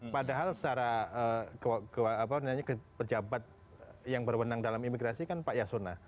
padahal secara pejabat yang berwenang dalam imigrasi kan pak yasona